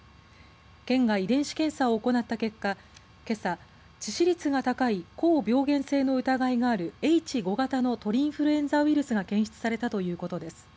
県が遺伝子検査を行った結果けさ、致死率が高い高病原性の疑いがあるＨ５型の鳥インフルエンザウイルスが検出されたということです。